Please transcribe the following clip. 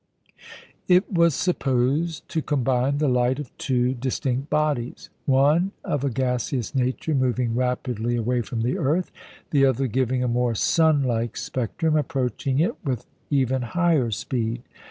It was supposed to combine the light of two distinct bodies, one, of a gaseous nature, moving rapidly away from the earth, the other, giving a more sunlike spectrum, approaching it with even higher speed.